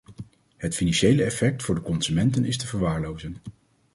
Het financiële effect voor de consumenten is te verwaarlozen.